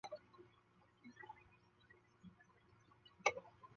此外精疲力竭的军队可能让海地无法即时应付各种紧急需求。